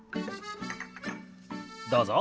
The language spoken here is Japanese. どうぞ。